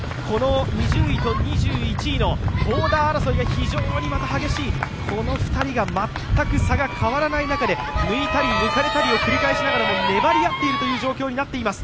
２０位と２１位のボーダー争いが非常に激しい、この２人が全く差が変わらない中で抜いたり抜かれたりを繰り返しながら粘り合っているという状況になっています。